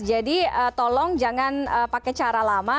jadi tolong jangan pakai cara lama